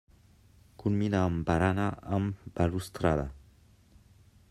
Culmina amb barana amb balustrada.